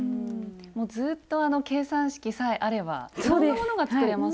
もうずっとあの計算式さえあればいろんなものが作れますもんね。